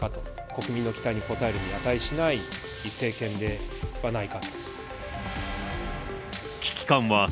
国民の期待に応えるに値しない政権ではないかと。